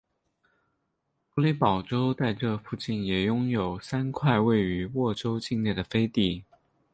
弗里堡州在这附近也拥有三块位于沃州境内的飞地。